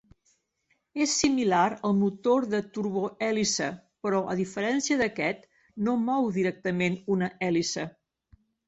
És similar al motor de turbohèlice però, a diferència d'aquest, no mou directament una hèlice.